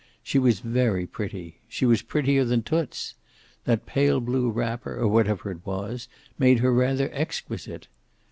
She was very pretty. She was prettier than Toots. That pale blue wrapper, or whatever it was, made her rather exquisite.